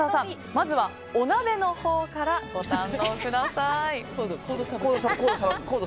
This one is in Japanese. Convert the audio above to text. まずはお鍋のほうからご堪能ください。